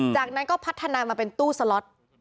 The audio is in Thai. จากนั้นก็พัฒนามาเป็นตู้สล็อต